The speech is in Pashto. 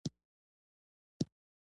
د دوی د مینې کیسه د هیلې په څېر تلله.